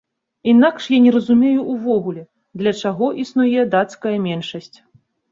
Інакш я не разумею ўвогуле, для чаго існуе дацкая меншасць.